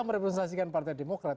merepresentasikan partai demokrat